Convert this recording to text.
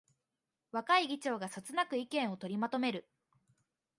若い議長がそつなく意見を取りまとめる